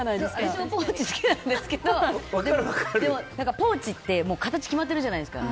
私もポーチ好きなんですけどポーチって形決まってるじゃないですか。